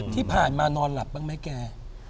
ที่ผ่านมานอนหลับบ้างไหมแก